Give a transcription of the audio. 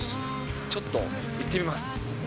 ちょっと行ってみます。